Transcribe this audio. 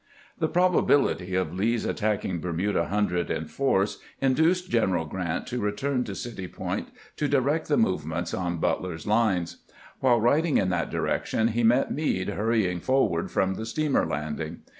The probability of Lee's attacking Bermuda Hundred 205 206 CAMPAIGNING WITH GEANT in force induced General Grant to return to City Point to direct the movements on Butler's lines. While riding in that direction he met Meade hurrying forward from the steamer landing.